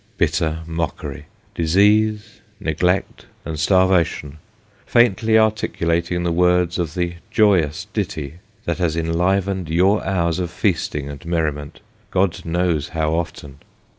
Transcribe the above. Bitter mockery ! Disease, neg lect, and starvation, faintly articulating the words of the joyous ditty, that has enlivened your hours of feasting and merriment, God knows how often